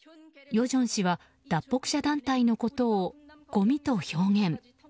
与正氏は脱北者団体のことをごみと表現。